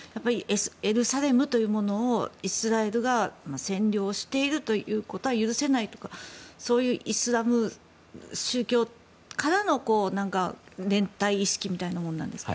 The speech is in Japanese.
エルサレムというものをイスラエルが占領しているということが許せないとかそういうイスラム宗教からの連帯意識みたいなものですか。